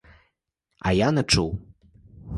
А я не чув.